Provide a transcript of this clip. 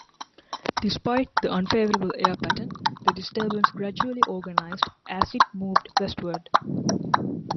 Despite the unfavorable air pattern, the disturbance gradually organized as it moved westward.